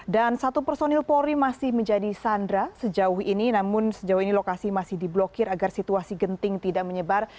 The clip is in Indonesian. dan satu personil polri masih menjadi sandra sejauh ini namun sejauh ini lokasi masih diblokir agar situasi genting tidak menyebar